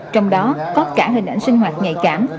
trong đó có cả hình ảnh sinh hoạt nhạy cảm